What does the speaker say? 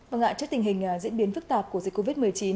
vâng ạ trước tình hình diễn biến phức tạp của dịch covid một mươi chín